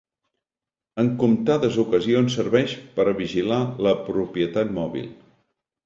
En comptades ocasions serveix per a vigilar la propietat mòbil.